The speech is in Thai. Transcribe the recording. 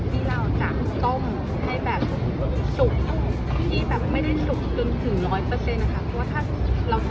ที่เล่าจากต้มให้แบบสุกเป็นกลายจากกล้าว